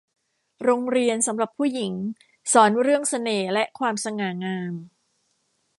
โรงเรียนสำหรับผู้หญิงสอนเรื่องเสน่ห์และความสง่างาม